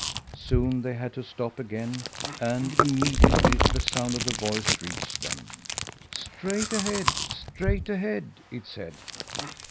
Soon they had to stop again, and immediately the sound of the voice reached them. "Straight ahead, straight ahead!" it said.